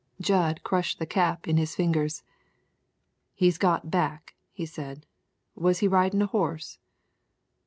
Jud crushed the cap in his fingers. "He's got back," he said. "Was he ridin' a horse?"